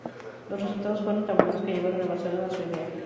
Los resultados fueron tan buenos que llevaron a Barcelona su idea.